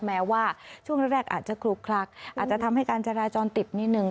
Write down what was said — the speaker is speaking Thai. แม้ว่าช่วงแรกอาจจะคลุกคลักอาจจะทำให้การจราจรติดนิดนึง